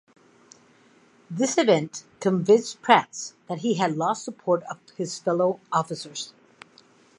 This event convinced Prats that he had lost support of his fellow officers.